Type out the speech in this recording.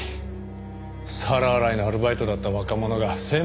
皿洗いのアルバイトだった若者が専務に出世。